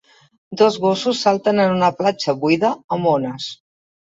Dos gossos salten en una platja buida amb ones.